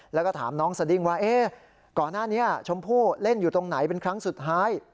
แล้วก็ถามน้องสดิ้งว่าก่อนหน้านี้ชมพู่เล่นอยู่ตรงไหนเป็นครั้งสุดท้าย